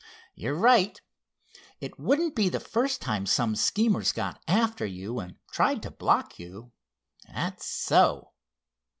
"You're right! It wouldn't be the first time some schemers got after you, and tried to block you. That's so!